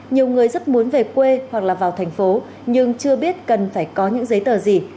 nhiều người rất muốn về quê hoặc là vào thành phố nhưng chưa biết cần phải có những giấy tờ gì